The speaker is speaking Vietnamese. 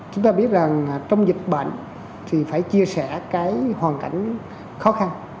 chúng ta biết rằng trong dịch bệnh thì phải chia sẻ cái hoàn cảnh khó khăn